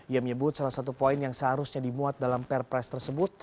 ia menyebut salah satu poin yang seharusnya dimuat dalam perpres tersebut